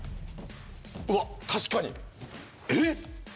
うわっ確かにえ？